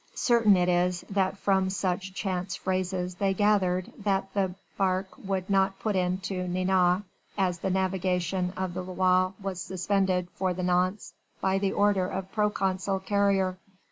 Certain it is that from such chance phrases they gathered that the barque would not put into Nantes, as the navigation of the Loire was suspended for the nonce by order of Proconsul Carrier.